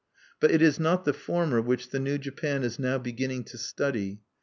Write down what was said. But it is not the former which the New Japan is now beginning to study.